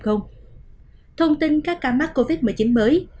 thông tin các ca mắc covid một mươi chín mới